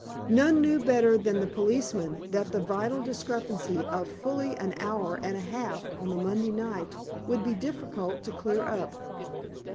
None knew better than the policeman that the vital discrepancy of fully an hour and a half on the Monday night would be difficult to clear up.